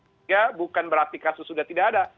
sehingga bukan berarti kasus sudah tidak ada